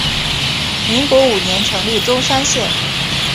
民国五年成立钟山县。